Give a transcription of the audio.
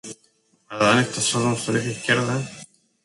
Adán está sordo en su oreja izquierda.